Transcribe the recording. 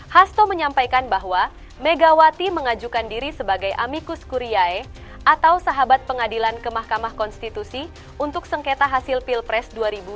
hasto menyampaikan bahwa megawati mengajukan diri sebagai amikus kuriae atau sahabat pengadilan ke mahkamah konstitusi untuk sengketa hasil pilpres dua ribu dua puluh